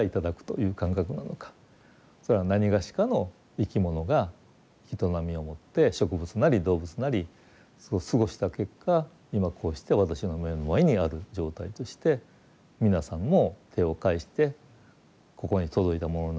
それはなにがしかの生き物が営みをもって植物なり動物なりそう過ごした結果今こうして私の目の前にある状態として皆さんも手を介してここに届いたものなのだ。